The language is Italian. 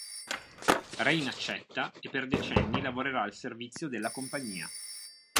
Rayne accetta e per decenni lavorerà al servizio della compagnia.